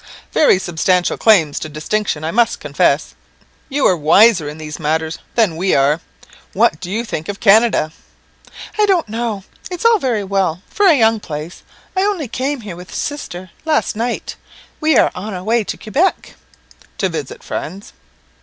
"Very substantial claims to distinction, I must confess. You are wiser in these matters than we are. What do you think of Canada?" "I don't know; it's very well for a young place. I only came here with sister last night; we are on our way to Quebec." "To visit friends?"